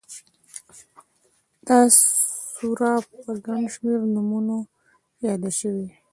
دا سوره په گڼ شمېر نومونو ياده شوې